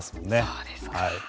そうですか。